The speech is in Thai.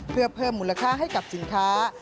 เพื่อเพิ่มมูลค่าให้กับสินค้า